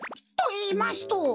といいますと？